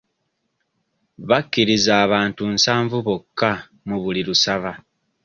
Bakkiriza abantu nsavu bokka mu buli lusaba.